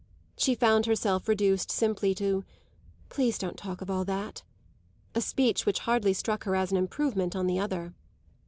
She found herself reduced simply to "Please don't talk of all that"; a speech which hardly struck her as improvement on the other.